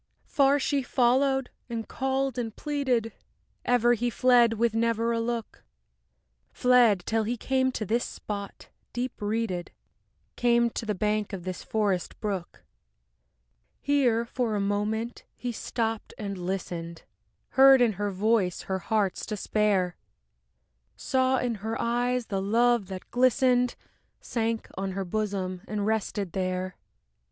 IV Far she followed and called and pleaded, Ever he fled with never a look; Fled, till he came to this spot, deep reeded, Came to the bank of this forest brook. Here for a moment he stopped and listened, Heard in her voice her heart's despair, Saw in her eyes the love that glistened, Sank on her bosom and rested there.